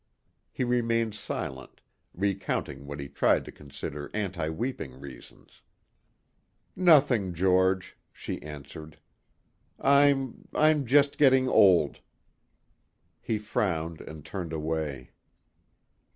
He remained silent, recounting what he tried to consider anti weeping reasons. "Nothing, George," she answered. "I'm ... I'm just getting old." He frowned and turned away.